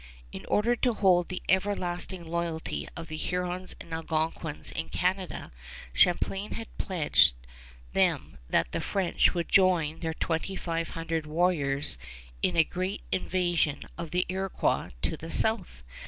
In order to hold the ever lasting loyalty of the Hurons and Algonquins in Canada, Champlain had pledged them that the French would join their twenty five hundred warriors in a great invasion of the Iroquois to the south.